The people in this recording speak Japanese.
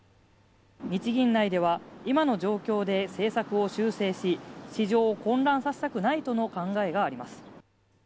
日銀内では、今の状況で政策を修正し、市場を混乱させたくないとの考えがあります。